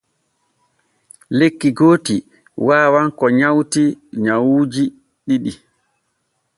Lekki gooti waawan ko nywati nyawuuji ɗiɗi.